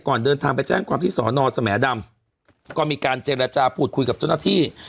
เดินทางไปแจ้งความที่สอนอสแหมดำก็มีการเจรจาพูดคุยกับเจ้าหน้าที่